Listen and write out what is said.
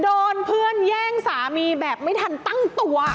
โดนเพื่อนแย่งสามีแบบไม่ทันตั้งตัว